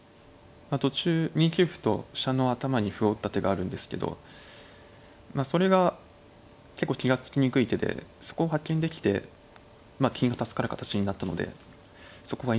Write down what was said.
途中２九歩と飛車の頭に歩を打った手があるんですけどそれが結構気が付きにくい手でそこを発見できてまあ金が助かる形になったのでそこは印象に残っています。